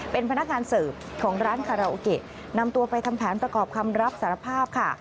เป็นพนักงานเสิร์ฟของร้านคาราโอเกะนำตัวไปทำแผนประกอบคำรับสารภาพค่ะ